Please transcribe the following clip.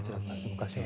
昔は。